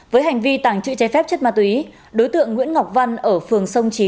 với hành vi tàng trự trái phép chất ma túy đối tượng nguyễn ngọc văn ở phường sông chí